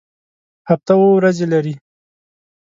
هفته اووه ورځې لري